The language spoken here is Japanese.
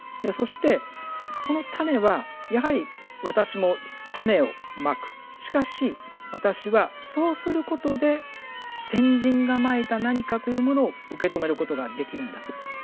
そしてこの種はやはり私も種を蒔くしかし私はそうすることで先人が蒔いた何かというものを受け止めることができるんだって。